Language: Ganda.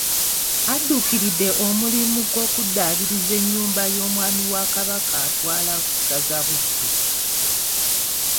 Adduukiridde omulimu gw'okuddaabiriza ennyumba y'omwami wa Kabaka atwala essaza Buddu